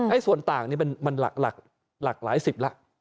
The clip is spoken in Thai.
ไอ้ส่วนต่างนี่มันหลักหลายสิบละ